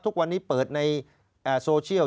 ทุกวันนี้เปิดในโซเชียล